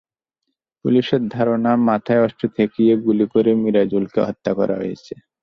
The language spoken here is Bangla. পুলিশের ধারণা, মাথায় অস্ত্র ঠেকিয়ে গুলি করে মিরাজুলকে হত্যা করা হয়েছে।